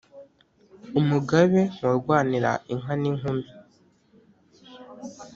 umugabe warwanira inka n’inkumi,